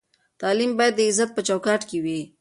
تعلیم باید د عزت په چوکاټ کې وي.